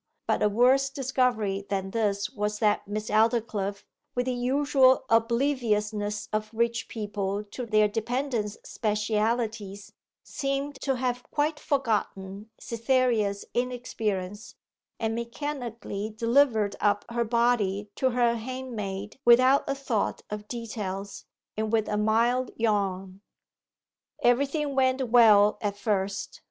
But a worse discovery than this was that Miss Aldclyffe, with the usual obliviousness of rich people to their dependents' specialities, seemed to have quite forgotten Cytherea's inexperience, and mechanically delivered up her body to her handmaid without a thought of details, and with a mild yawn. Everything went well at first.